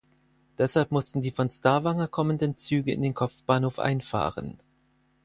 Deshalb mussten die von Stavanger kommenden Züge in den Kopfbahnhof einfahren.